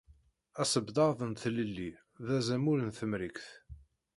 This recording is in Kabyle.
Asebdad n Tlelli d azamul n Temrikt.